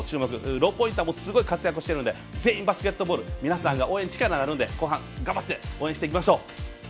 ローポインターもすごい活躍をしているので全員バスケットボール皆さんの応援が力になるので後半、頑張って応援していきましょう！